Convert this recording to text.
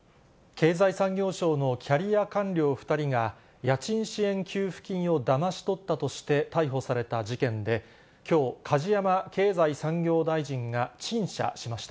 経済産業省のキャリア官僚２人が、家賃支援給付金をだまし取ったとして逮捕された事件で、きょう、梶山経済産業大臣が陳謝しました。